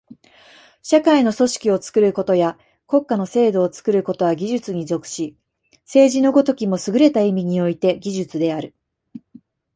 社会の組織を作ることや国家の制度を作ることは技術に属し、政治の如きもすぐれた意味において技術である。